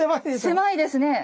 狭いですねえ